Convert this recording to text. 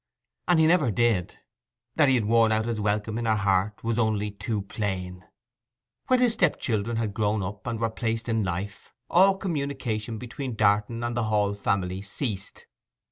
And he never did. That he had worn out his welcome in her heart was only too plain. When his step children had grown up, and were placed out in life, all communication between Darton and the Hall family ceased.